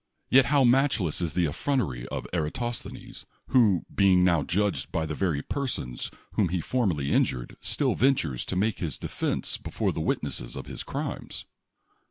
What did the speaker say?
Yet how matchless is the effrontery of Eratosthenes, who, being now judged by the verv^ persons whom he formerly injured, still ventures to make his defense before the witnesses of his crimes?